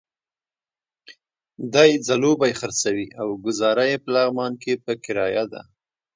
دی ځلوبۍ خرڅوي او ګوزاره یې په لغمان کې په کرايه ده.